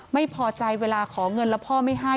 ไม่พอใจเวลาขอเงินแล้วพ่อไม่ให้